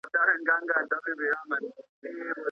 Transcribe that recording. د ستاينې له امله هغوی ته ښه احساس پيدا سو.